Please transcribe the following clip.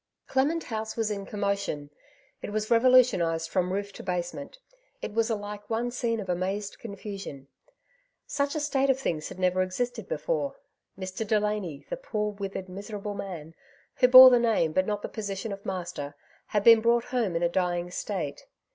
Clement House was in commotion \ it was revolu tionized from roof to basement; it was alike one scene of amazed confnsion. Snch a state of things had never existed beforei Mr. Delany, tlie poor withered, miserable man, who bore the name but not the position of master, had been brought home in a dying state.